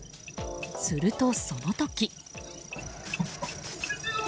すると、その時。